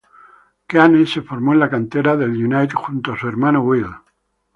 Keane se formó en la cantera del United junto a su hermano Will.